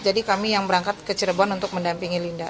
jadi kami yang berangkat ke cirebon untuk mendampingi linda